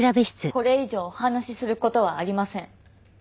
これ以上お話しする事はありません。